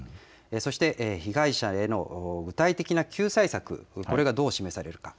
そして被害者への具体的な救済策、これがどう示されるか。